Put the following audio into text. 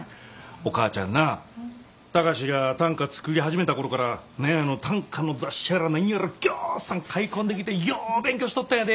お母ちゃんな貴司が短歌作り始めた頃から何やあの短歌の雑誌やら何やらぎょうさん買い込んできてよう勉強しとったんやで。